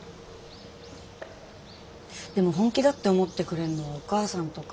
でも本気だって思ってくれるのはお母さんとかだけだな。